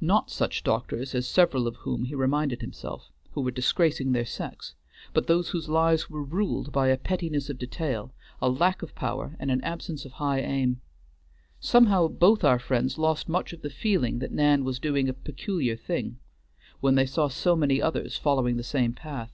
Not such doctors as several of whom he reminded himself, who were disgracing their sex, but those whose lives were ruled by a pettiness of detail, a lack of power, and an absence of high aim. Somehow both our friends lost much of the feeling that Nan was doing a peculiar thing, when they saw so many others following the same path.